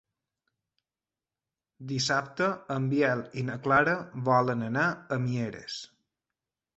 Dissabte en Biel i na Clara volen anar a Mieres.